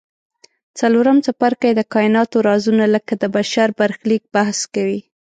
څلورم څپرکی د کایناتو رازونه لکه د بشر برخلیک بحث کوي.